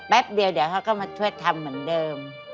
เดียวเดี๋ยวเขาก็มาช่วยทำเหมือนเดิม